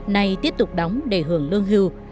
nay tiếp tục đóng để hưởng lương hưu